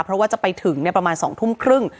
เพราะว่าจะไปถึงประมาณ๒ทุ่มครึ่ง